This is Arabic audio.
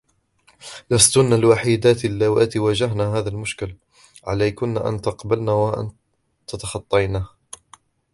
لستن الوحيدات الواتي واجهن هذا المشكل ، عليكن أن تقبلنه و أن تتخطينه.